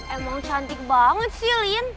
emang cantik banget sih lien